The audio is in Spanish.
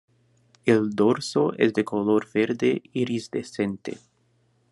El dorso es de color verde iridiscente.